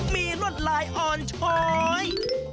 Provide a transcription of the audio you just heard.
มีลวดลายอ่อนช้อย